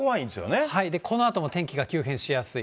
このあとも天気が急変しやすい。